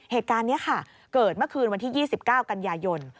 เหตุการณ์นี้ค่ะเกิดเมื่อคืนวันที่๒๙กันยายน